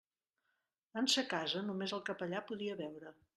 En sa casa només el capellà podia beure.